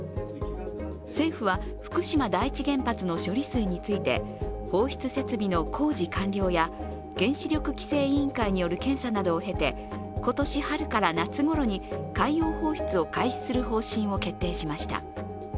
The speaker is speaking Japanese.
政府は福島第一原発の処理水について放出設備の工事完了や原子力規制委員会による検査などを経て今年春から夏頃に海洋放出を開始する方針を決定しました。